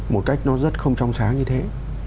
một cách nó rất không trong sáng như thế